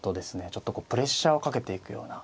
ちょっとこうプレッシャーをかけていくような